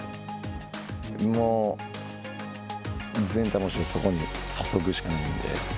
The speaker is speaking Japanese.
もう全魂そこに注ぐしかないので。